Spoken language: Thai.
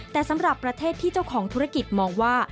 แต่สำหรับประเทศที่เจ้าของธุรกิจมองว่า